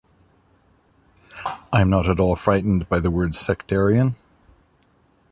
I am not at all frightened by the word ‘sectarian’.